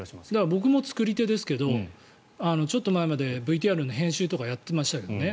僕も作りてですけどちょっと前までＶＴＲの編集とかやっていましたけどね。